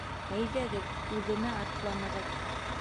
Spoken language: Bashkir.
Әйҙәгеҙ, үҙемә атланығыҙ.